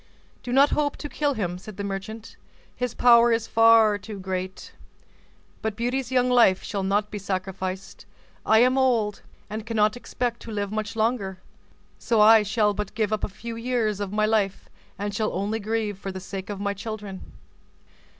"Do not hope to kill him," said the merchant, "his power is far too great. But Beauty's young life shall not be sacrificed; I am old, and cannot expect to live much longer; so I shall but give up a few years of my life, and shall only grieve for the sake of my children."